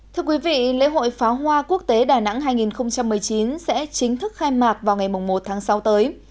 thưa quý vị lễ hội pháo hoa quốc tế đà nẵng hai nghìn một mươi chín sẽ chính thức khai mạc vào ngày một tháng sáu tới